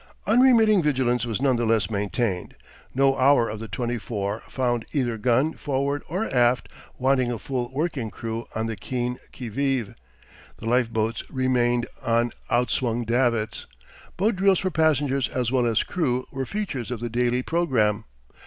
Unremitting vigilance was none the less maintained. No hour of the twenty four found either gun, forward or aft, wanting a full working crew on the keen qui vive. The life boats remained on outswung davits; boat drills for passengers as well as crew were features of the daily programme.